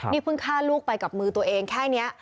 นี่เพิ่งฆ่าลูกไปกับมือตัวเองแค่นี้